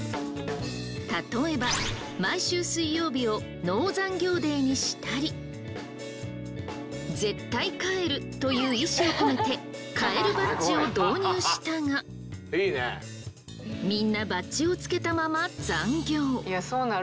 例えば毎週水曜日をノー残業デーにしたり絶対帰る！という意思を込めてカエルバッジを導入したがみんなバッジをつけたまま残業。